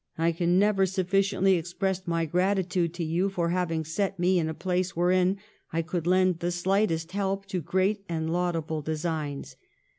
I can never sufficiently express my gratitude to you for having set me in a place wherein I could lend the slightest help to great and laudable designs.